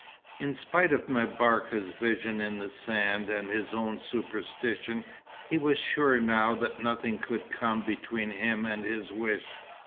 In spite of M'Barka's vision in the sand, and his own superstition, he was sure now that nothing could come between him and his wish.